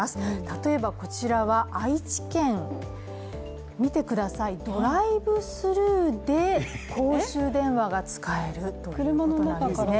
例えばこちらは愛知県、見てください、ドライブスルーで公衆電話が使えるということなんですね。